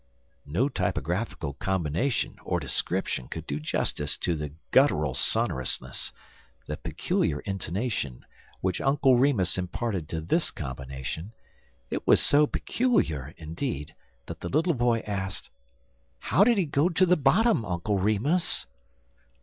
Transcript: No typographical combination or description could do justice to the guttural sonorousness the peculiar intonation which Uncle Remus imparted to this combination. It was so peculiar, indeed, that the little boy asked: "How did he go to the bottom, Uncle Remus?"